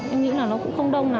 em nghĩ là nó cũng không đông lắm